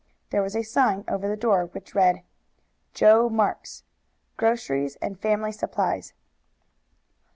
There was a sign over the door which read: JOE MARKS, Groceries and Family Supplies.